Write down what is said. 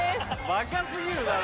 バカ過ぎるだろ。